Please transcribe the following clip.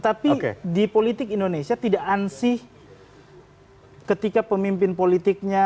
tapi di politik indonesia tidak ansih ketika pemimpin politiknya